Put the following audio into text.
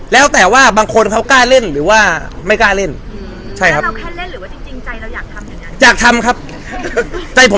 แล้วก้อยเขาแบบว่าหอมแล้วกับอะไรที่ไม่จับมือจับมือแล้วบ้างไหม